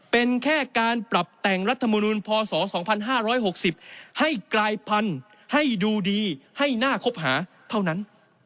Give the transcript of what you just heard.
เป็นแค่การปรับแต่งรัฐมนุนพศ๒๕๖๐ให้กลายพันธุ์ให้ดูดีให้น่าคบหาเท่านั้น